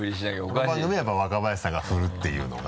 この番組ではやっぱ若林さんが振るっていうのが。